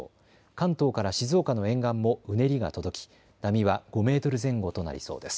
関東から静岡の沿岸もうねりが届き波は５メートル前後となりそうです。